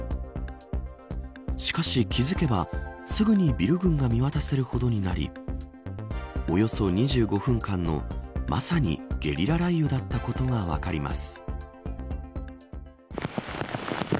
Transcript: しかし気付けばすぐにビル群が見渡せるほどになりおよそ２５分間のまさにゲリラ雷雨だったことが分かります。